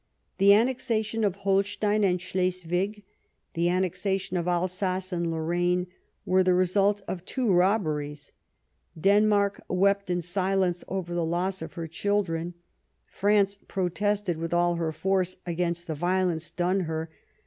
>237 Bismarck The annexation of Holstein and Slesvig, the annexation of Alsace and Lorraine, were the result of two robberies. Denmark wept in silence over the loss of her children ; France protested with all her force against the violence done her.